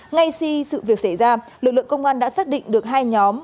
ngay khi sự việc xảy ra lực lượng công an đã xác định được hai nhóm